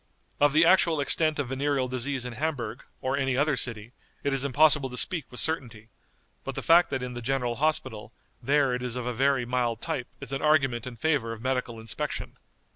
Of the actual extent of venereal disease in Hamburg, or any other city, it is impossible to speak with certainty, but the fact that in the general hospital there it is of a very mild type is an argument in favor of medical inspection.